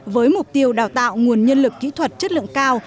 với mục tiêu đào tạo nguồn nhân lực kỹ thuật chất lượng cao